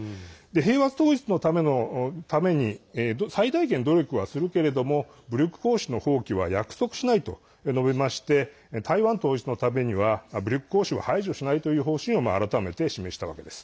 平和統一のために最大限努力はするけれども武力行使の放棄は約束しないと述べまして台湾統一のためには武力行使は排除しないという方針を改めて示したわけです。